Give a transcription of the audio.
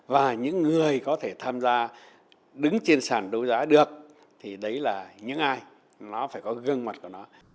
và những người có thể tham gia đứng trên sản đấu giá được thì đấy là những ai nó phải có gương mặt của nó